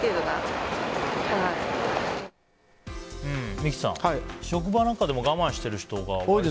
三木さん、職場なんかでも我慢している方が割と多い？